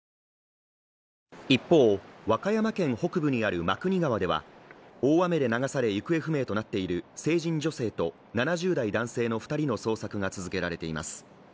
一方、和歌山県北部にある真国川では大雨で流され、行方不明となっている成人女性と７０代男性の２人の捜索が続けられています。